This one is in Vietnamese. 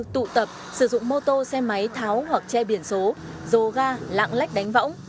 tụ tập sử dụng mô tô xe máy tháo hoặc che biển số dồ ga lạng lách đánh võng